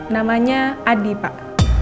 namanya adi pak